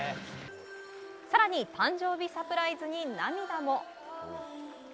更に、誕生日サプライズに涙も。